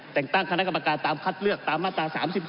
แต่งตั้งคณะกรรมการตามคัดเลือกตามมาตรา๓๖